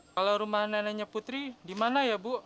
kalau rumah neneknya putri di mana ya bu